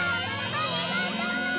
ありがとう！